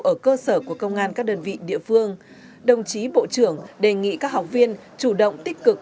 ở cơ sở của công an các đơn vị địa phương đồng chí bộ trưởng đề nghị các học viên chủ động tích cực